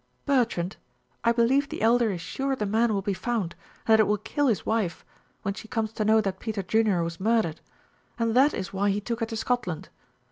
"Bertrand I believe the Elder is sure the man will be found and that it will kill his wife, when she comes to know that Peter Junior was murdered, and that is why he took her to Scotland.